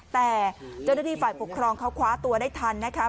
แต่เจ้าหน้าที่ฝ่ายปกครองเขาคว้าตัวได้ทันนะคะ